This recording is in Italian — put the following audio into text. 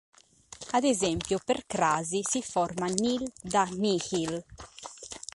Ad esempio, per crasi si forma "nil" da "nihil".